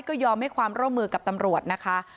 ก็ยอมให้ความร่วมมือกับตำรวจนะคะ